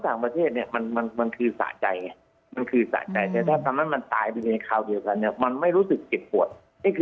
จากประเทศเนี่ยมันมันคือสาใจมันคือสาใจ